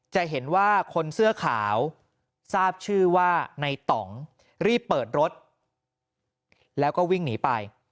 จะเห็นว่าคนเสื้อขาวทราบชื่อว่าในต่องรีบเปิดรถแล้วก็วิ่งหนีไป